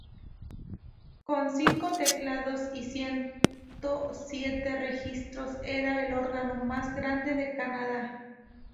Con cinco teclados y ciento siete registros, era el órgano más grande de Canadá.